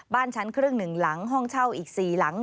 บ้านชั้นครึ่ง๑หลังห้องเช่าอีก๔หลัง